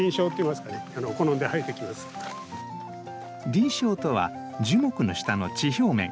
林床とは樹木の下の地表面。